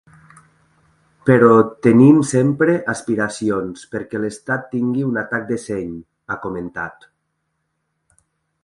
Però tenim sempre aspiracions perquè l’estat tingui un atac de seny, ha comentat.